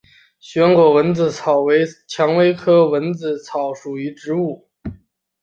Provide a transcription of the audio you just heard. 旋果蚊子草为蔷薇科蚊子草属的植物。